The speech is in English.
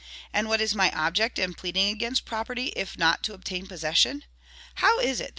And what is my object in pleading against property, if not to obtain possession? How is it that M.